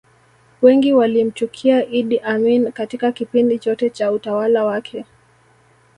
wengi walimchukia idd amin Katika kipindi chote cha utawala wake